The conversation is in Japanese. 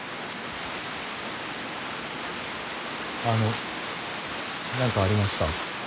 あの何かありました？